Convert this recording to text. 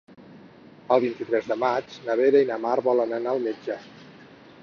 El vint-i-tres de maig na Vera i na Mar volen anar al metge.